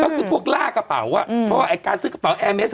ก็คือพวกล่ากระเป๋าเพราะว่าไอ้การซื้อกระเป๋าแอร์เมส